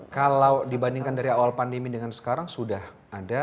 kalau dibandingkan dari awal pandemi dengan sekarang sudah ada